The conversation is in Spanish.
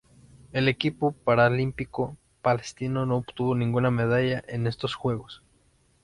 El equipo paralímpico palestino no obtuvo ninguna medalla en estos Juegos.